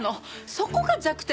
そこが弱点。